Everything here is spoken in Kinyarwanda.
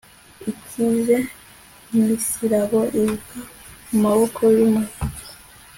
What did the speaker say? Ikize nkisirabo iva mu maboko yumuhigi